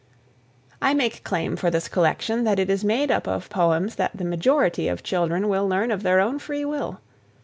I make claim for this collection that it is made up of poems that the majority of children will learn of their own free will.